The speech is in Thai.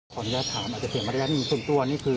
ขออนุญาตถามอาจจะเขียนมาระยะหนึ่งส่วนตัวนี่คือ